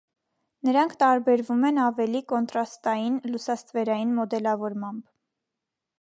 Նրանք տարբերվում են ավելի կոնտրաստային լուսաստվերային մոդելավորմամբ։